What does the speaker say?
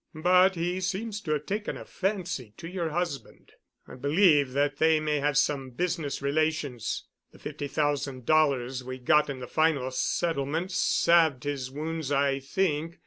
But he seems to have taken a fancy to your husband. I believe that they have some business relations. The fifty thousand dollars we got in the final settlement salved his wounds I think.